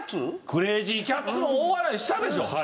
クレージー・キャッツも大笑いしたでしょう。